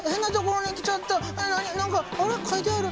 何か書いてある。